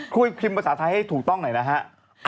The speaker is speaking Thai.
พิมพ์ภาษาไทยให้ถูกต้องหน่อยนะฮะ